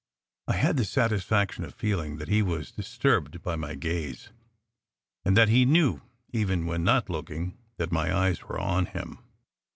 I had the satisfaction of feeling that he was dis turbed by my gaze, and that he knew, even when not look ing, that my eyes were on him.